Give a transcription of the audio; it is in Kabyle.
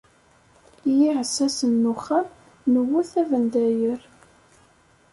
I yiɛessasen n uxxam newwet abendayer.